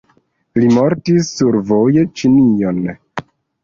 Li mortis survoje Ĉinion.